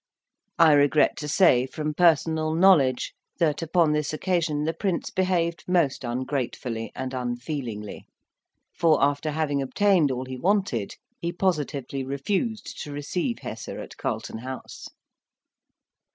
I regret to say, from personal knowledge, that, upon this occasion the Prince behaved most ungratefully and unfeelingly; for, after having obtained all he wanted, he positively refused to receive Hesse at Carlton House.